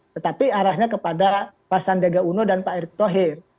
tetapi arahnya kepada pak sandega uno dan pak ertugir